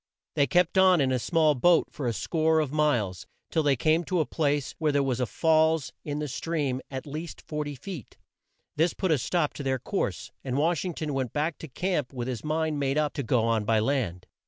They kept on in the small boat for a score of miles, till they came to a place where there was a falls in the stream at least 40 feet. This put a stop to their course, and Wash ing ton went back to camp with his mind made up to go on by land.